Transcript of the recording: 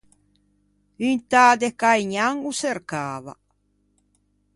Un tâ de Caignan ô çercava.